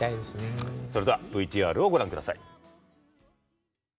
それではＶＴＲをご覧ください。